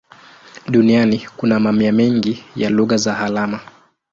Duniani kuna mamia mengi ya lugha za alama.